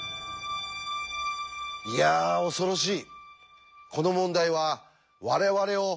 いや恐ろしい。